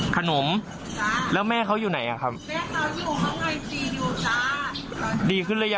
ขนมแล้วแม่เขาอยู่ไหนครับ